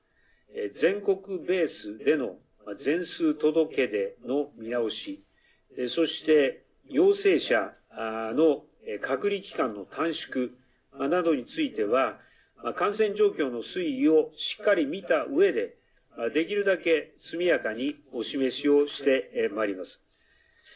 全国ベースでの全数届け出の見直しそして陽性者の隔離期間の短縮などについては感染状況の推移をしっかり見たうえでできるだけ速やかにお示しをしてまいります。